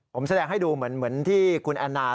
ผมแสดงให้ดูเหมือนที่คุณแอนนา